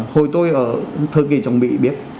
hồi tôi ở thời kỳ chống mỹ biết